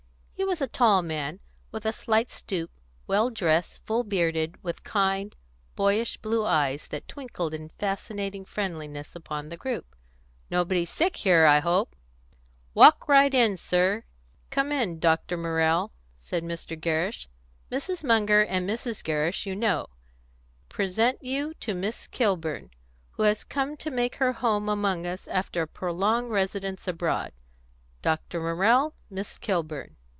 He was a tall man, with a slight stoop; well dressed; full bearded; with kind, boyish blue eyes that twinkled in fascinating friendliness upon the group. "Nobody sick here, I hope?" "Walk right in, sir! come in, Dr. Morrell," said Mr. Gerrish. "Mrs. Munger and Mrs. Gerrish you know. Present you to Miss Kilburn, who has come to make her home among us after a prolonged residence abroad. Dr. Morrell, Miss Kilburn."